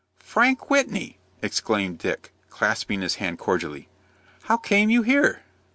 "Frank Whitney!" exclaimed Dick, clasping his hand cordially. "How came you here?"